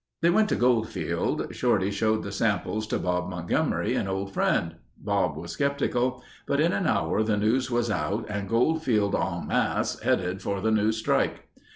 They went to Goldfield. Shorty showed the sample to Bob Montgomery, an old friend. Bob was skeptical. But in an hour the news was out and Goldfield en masse headed for the new strike.